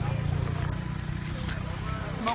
สวัสดีครับทุกคน